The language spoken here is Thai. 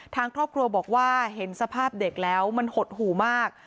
ทางครอบครัวบอกว่าเห็นสภาพเด็กแล้วมันหดหู่มาก